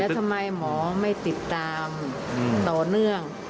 ทำไมหมอไม่ติดตามต่อเนื่อง